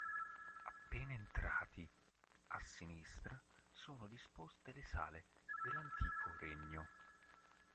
Appena entrati, a sinistra sono disposte le sale dell'Antico Regno.